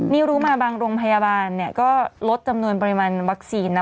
นี่รู้มาบางโรงพยาบาลก็ลดจำนวนปริมาณวัคซีนนะ